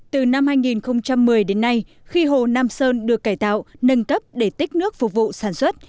từ năm hai nghìn một mươi đến nay khi hồ nam sơn được cải tạo nâng cấp để tích nước phục vụ sản xuất